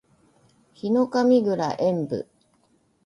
ヒノカミ神楽円舞（ひのかみかぐらえんぶ）